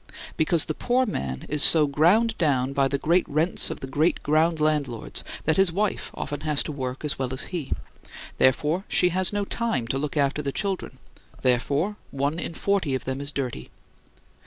Because the poor man is so ground down by the great rents of the great ground landlords that his wife often has to work as well as he. Therefore she has no time to look after the children, therefore one in forty of them is dirty.